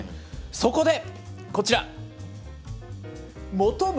そこでこちら、求む！